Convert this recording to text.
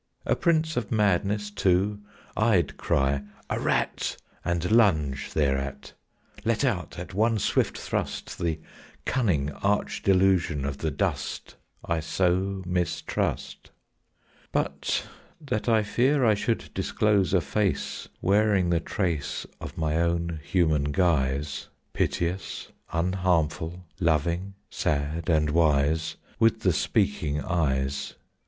A prince of madness too, I'd cry, "A rat!" And lunge thereat, Let out at one swift thrust The cunning arch delusion of the dust I so mistrust, But that I fear I should disclose a face Wearing the trace Of my own human guise, Piteous, unharmful, loving, sad, and wise, With the speaking eyes.